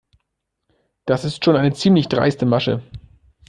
Das ist schon eine ziemlich dreiste Masche.